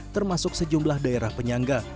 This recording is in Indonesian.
termasuk sejumlah daerah penyangga